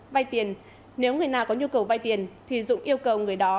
vay tiền nếu người nào có nhu cầu vay tiền thì dũng yêu cầu người đó